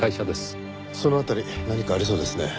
その辺り何かありそうですね。